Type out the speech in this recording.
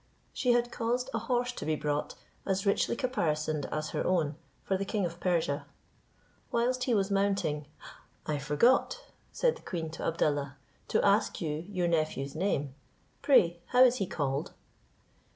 She had caused a horse to be brought as richly caparisoned as her own, for the king of Persia. Whilst he was mounting, "I forgot," said the queen to Abdallah, "to ask you your nephew's name; pray how is he called?"